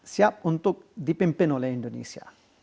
siap untuk dipimpin oleh indonesia